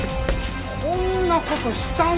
こんな事したの！